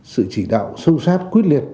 sự chỉ đạo sâu sát quyết liệt